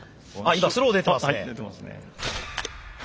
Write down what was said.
今スロー出てますね。